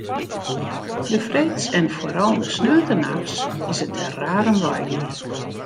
De freeds en foaral de sneontenachts is it der raar om wei gien.